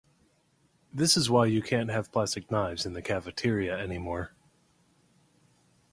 This is why you can’t have plastic knives in the cafeteria anymore